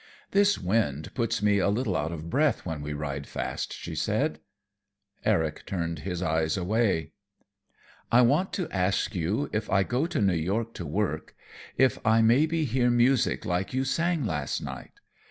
"This wind puts me a little out of breath when we ride fast," she said. Eric turned his eyes away. "I want to ask you if I go to New York to work, if I maybe hear music like you sang last night?